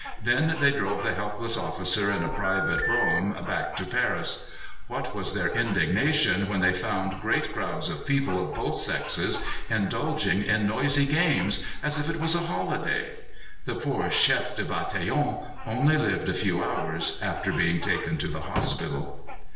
Then they drove the helpless officer in a private brougham back to Paris. What was their indignation when they found great crowds of people of both sexes indulging in noisy games, as if it was a holiday! The poor Chef de Bataillon only lived a few hours after being taken to the hospital.